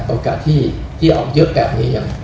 โอกาสที่ออกเยอะแบบนี้ยัง